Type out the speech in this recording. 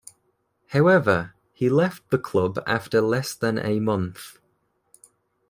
However, he left the club after less than a month.